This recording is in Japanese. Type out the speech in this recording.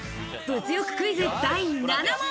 物欲クイズ、第７問。